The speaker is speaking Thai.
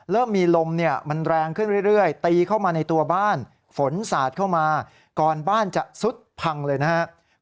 เริ่มมีลมเนี่ยมันแรงขึ้นเรื่อยตีเข้ามาในตัวบ้านฝนสาดเข้ามาก่อนบ้านจะซุดพังเลยนะครับ